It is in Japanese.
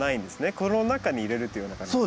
この中に入れるというような感じで。